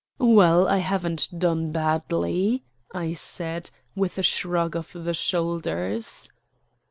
"Well, I haven't done badly," I said, with a shrug of the shoulders.